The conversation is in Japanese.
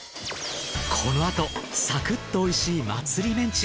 このあとサクッとおいしい祭りメンチ。